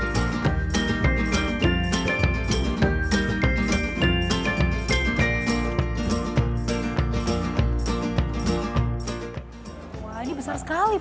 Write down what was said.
wah ini besar sekali